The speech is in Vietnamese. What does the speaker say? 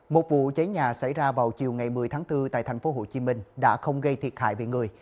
một vụ cháy nhà xảy ra vào chiều ngày một mươi tháng bốn tại thành phố hồ chí minh đã không gây thiệt hại về người